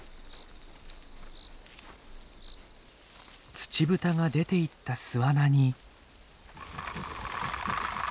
ツチブタが出ていった巣穴に。